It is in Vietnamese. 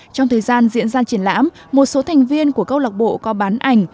trong thời gian diễn ra triển lãm một số thành viên của câu lạc bộ có bán ảnh